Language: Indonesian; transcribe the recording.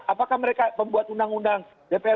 apakah mereka pembuat undang undang dpr